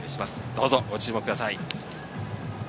どうぞご注目ください。